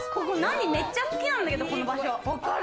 めっちゃ好きなんだけど、この場所。